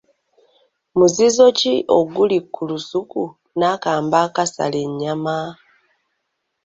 Muzizo ki oguli ku lusuku n’akambe akasala ennyama?